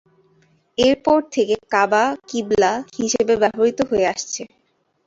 এরপর থেকে কাবা কিবলা হিসেবে ব্যবহৃত হয়ে আসছে।